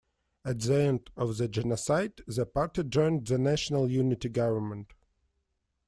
At the end of the genocide the party joined the national unity government.